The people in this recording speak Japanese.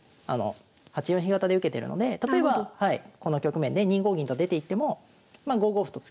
８四飛型で受けてるので例えばこの局面で２五銀と出ていってもまあ５五歩と突けば飛車の横利きでね